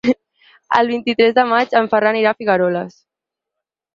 El vint-i-tres de maig en Ferran irà a Figueroles.